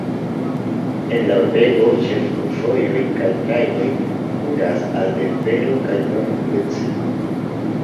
El la urbego ĉefvojoj kaj trajnoj kuras al Denvero kaj Nov-Meksiko.